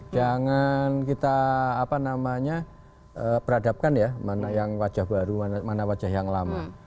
jangan kita peradapkan ya mana yang wajah baru mana wajah yang lama